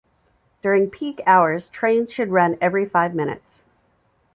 During peak hours, trains should run every five minutes.